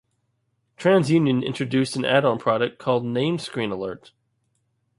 TransUnion introduced an add-on product called Name Screen Alert.